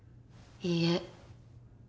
いいえ。